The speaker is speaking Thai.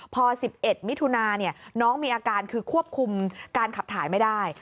พอ๑๑มิถุนาน้องมีอาการคือควบคุมการขับถ่ายไม่ได้